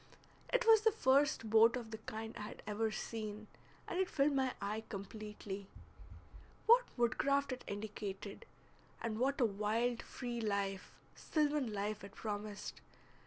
It was the first boat of the kind I had ever seen, and it filled my eye completely. What woodcraft it indicated, and what a wild free life, sylvan life, it promised!